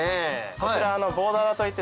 こちら。